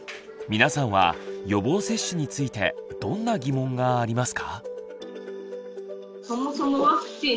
皆さんは予防接種についてどんな疑問がありますか？